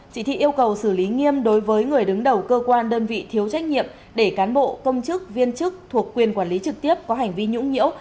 chỉ thị yêu cầu xử lý nghiêm đối với người đứng đầu cơ quan đơn vị thiếu trách nhiệm để cán bộ công chức viên chức thuộc quyền quản lý trực tiếp có hành vi nhũng nhiễu